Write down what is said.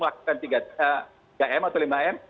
lakukan tiga m atau lima m